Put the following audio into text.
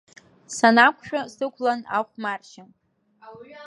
Санақәшәа сықәлан ахәмаршьа.